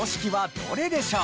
どうでしょう？